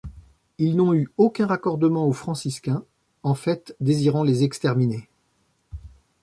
Ils n'ont eu aucun raccordement aux franciscains, en fait désirant les exterminer.